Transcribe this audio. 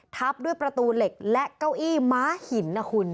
ทับด้วยประตูเหล็กและเก้าอี้ม้าหินนะคุณ